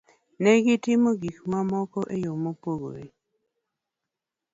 Ne gitimo gik moko e yo mopogore. Ne gitimo gik moko e yo mopogore.